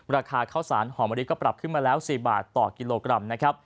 ราคาข้าวสารหอมมะลิก็ปรับขึ้นมาแล้ว๔บาทต่อกิโลกรัมนะครับ